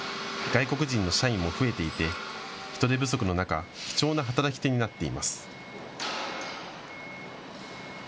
外国人の社員も増えていて人手不足の中、貴重な働き手になっています。